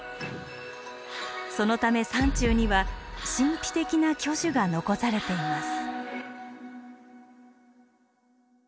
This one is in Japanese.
そのため山中には神秘的な巨樹が残されています。